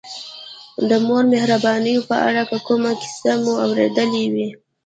د مور د مهربانیو په اړه که کومه کیسه مو اورېدلې وي.